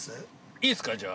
◆いいっすか、じゃあ。